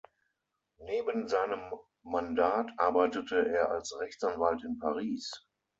Neben seinem Mandat arbeitete er als Rechtsanwalt in Paris.